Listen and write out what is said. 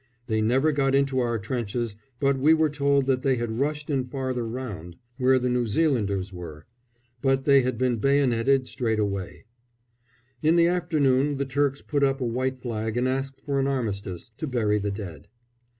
They never got into our trenches, but we were told that they had rushed in farther round, where the New Zealanders were; but they had been bayoneted straight away. In the afternoon the Turks put up a white flag and asked for an armistice, to bury the dead.